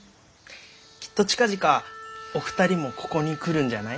きっと近々お二人もここに来るんじゃない？